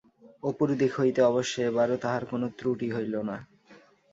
অপুর দিক হইতে অবশ্য এবারও তাহার কোনো ত্রুটি হইল না।